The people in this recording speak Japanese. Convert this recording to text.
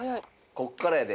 こっからやで。